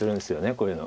こういうの。